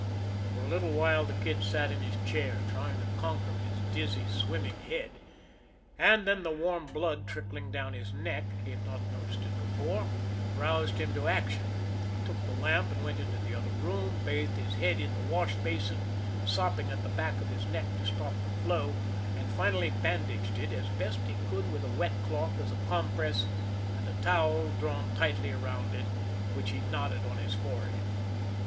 For a little while the Kid sat in his chair, trying to conquer his dizzy, swimming head; and then the warm blood trickling down his neck he had not noticed it before roused him to action. He took the lamp and went into the other room, bathed his head in the wash basin, sopping at the back of his neck to stop the flow, and finally bandaged it as best he could with a wet cloth as a compress, and a towel drawn tightly over it, which he knotted on his forehead.